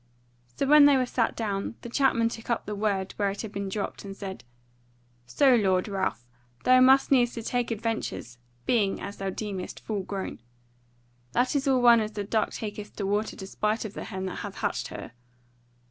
So when they were set down, the chapman took up the word where it had been dropped, and said: "So, Lord Ralph, thou must needs take to adventures, being, as thou deemest, full grown. That is all one as the duck taketh to water despite of the hen that hath hatched her.